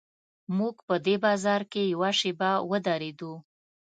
موږ په دې بازار کې یوه شېبه ودرېدو.